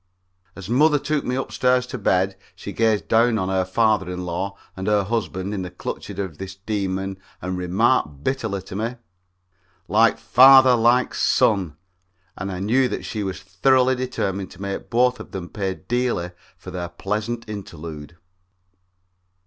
As mother took me upstairs to bed she gazed down on her father in law and her husband in the clutches of this demon and remarked bitterly to me: "Like father, like son," and I knew that she was thoroughly determined to make both of them pay dearly for their pleasant interlude.